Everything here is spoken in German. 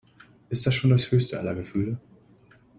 Ist das schon das höchste aller Gefühle?